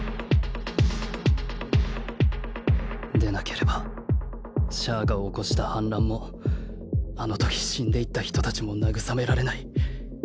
でなければシャアが起こした反乱もあのとき死んでいった人たちも慰められない。